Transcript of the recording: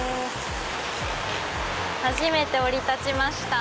初めて降り立ちました。